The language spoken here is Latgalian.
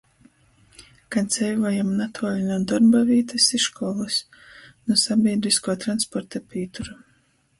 Ka dzeivojam natuoli nu dorbavītys i školys, nu sabīdryskuo transporta pīturu.